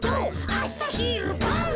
あさひるばん」